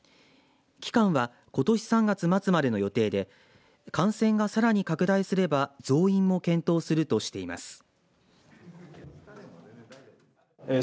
期間はことし３月末までの予定で感染がさらに拡大すれば増員も検討するとしています。